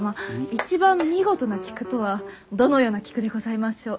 一番見事な菊とはどのような菊でございましょう？